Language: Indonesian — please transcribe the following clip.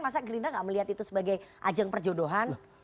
masa gerindra gak melihat itu sebagai ajang perjodohan